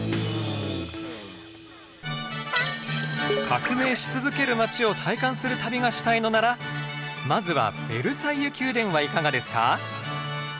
革命し続ける街を体感する旅がしたいのならまずはベルサイユ宮殿はいかがですか？